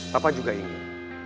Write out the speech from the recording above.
papa juga ingin